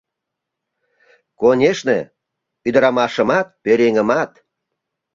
Конешне, ӱдырамашымат, пӧръеҥымат.